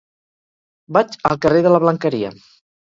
Vaig al carrer de la Blanqueria.